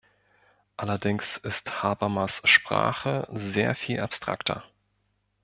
Allerdings ist Habermas’ Sprache sehr viel abstrakter.